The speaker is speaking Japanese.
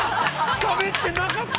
◆しゃべってなかった？